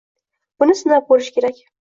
Buni sinab ko‘rish kerak.